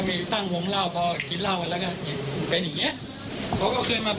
ผมต้องระวังตัวเพราะว่าผมไม่รู้ว่าเธอจะดังเขาเมื่อไหร่